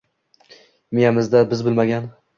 miyamizda biz bilmagan